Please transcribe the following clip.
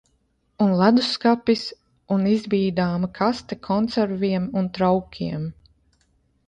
Un ledusskapis, un izbīdāma kaste konserviem un traukiem...